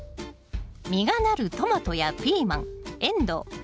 実がなるトマトやピーマンエンドウ。